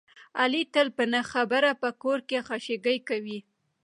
علي تل په نه خبره په کور کې خشکې کوي.